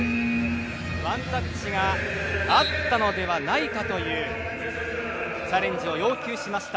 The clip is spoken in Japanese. ワンタッチがあったのではないかというチャレンジを要求しました。